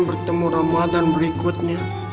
bertemu ramadan berikutnya